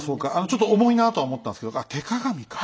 ちょっと重いなとは思ったんですけど手鏡か。